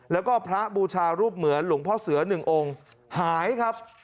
แล้วก็พระบูชารูปเหมือนหลวงพ่อเสือหนึ่งองค์หายครับ